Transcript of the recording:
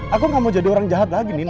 aku gak mau jadi orang jahat lagi nih